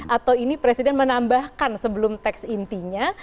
atau ini presiden menambahkan sebelum teks intinya